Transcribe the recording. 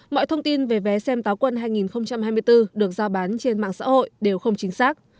mọi thông tin về vé xem táo quân hai nghìn hai mươi bốn được giao bán trên mạng xã hội đều không chính xác